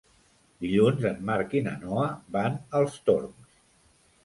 Dilluns en Marc i na Noa van als Torms.